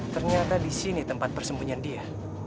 ternyata disini tempat persembunyian dia